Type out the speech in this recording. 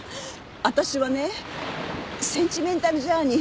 私はねセンチメンタルジャーニー。